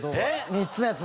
３つのやつ。